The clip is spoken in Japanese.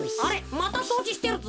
またそうじしてるぞ。